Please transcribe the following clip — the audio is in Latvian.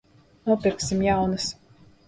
Nopirksim jaunas.